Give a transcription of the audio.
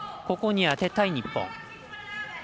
ここに当てたい日本。